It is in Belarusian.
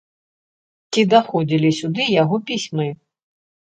Ці даходзілі сюды яго пісьмы?